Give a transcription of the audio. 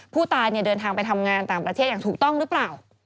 ผู้ตายเดินทางไปทำงานต่างประเทศอย่างถูกต้องหรือเปล่า